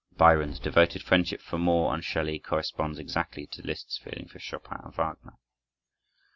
Byron's devoted friendship for Moore and Shelley corresponds exactly to Liszt's feeling for Chopin and Wagner.